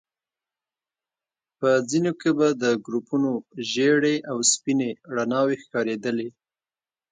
په ځينو کې به د ګروپونو ژيړې او سپينې رڼاوي ښکارېدلې.